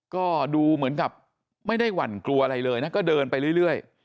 ก็ดูเหมือนกับไม่ได้หวั่นกลัวอะไรเลยนะก็เดินไปเรื่อย